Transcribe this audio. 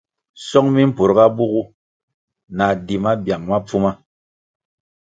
Song mi mpurga bugu na di mabiang ma pfuma.